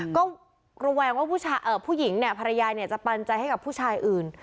ก็ระแวงว่าผู้หญิงเนี่ยภรรยาจะปันใจให้กับผู้ชายอื่น